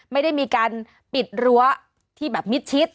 ไม่ได้มีการปิดรั้วที่แบบมิดชิด